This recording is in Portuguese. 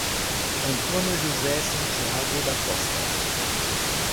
Antônio José Santiago da Costa